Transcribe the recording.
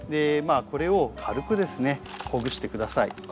まあこれを軽くですねほぐして下さい。